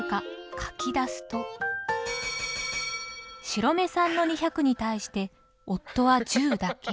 白目さんの２００に対して夫は１０だけ。